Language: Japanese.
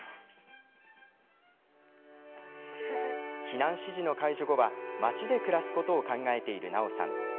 避難指示の解除後は町で暮らすことを考えている奈緒さん。